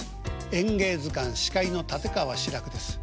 「演芸図鑑」司会の立川志らくです。